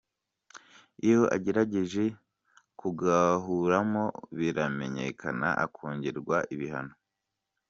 Iyo agerageje kugahuramo biramenyekana akongererwa ibihano.